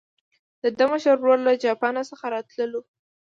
د ده مشر ورور له جاپان څخه راتللو.